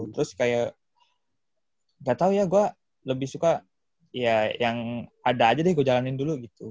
terus kayak enggak tahu ya gue lebih suka ya yang ada aja deh gue jalanin dulu gitu